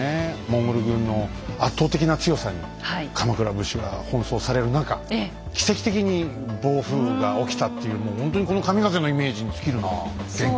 モンゴル軍の圧倒的な強さに鎌倉武士が奔走される中奇跡的に暴風雨が起きたっていうもうほんとにこの神風のイメージに尽きるなあ元寇は。